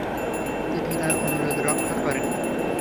তিনি তার অনুরোধ রক্ষা করেন।